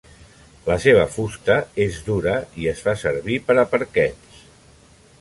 La seva fusta és dura i es fa servir per a parquets.